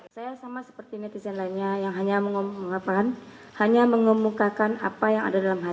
saya sama seperti netizen lainnya yang hanya mengemukakan apa yang ada dalam hati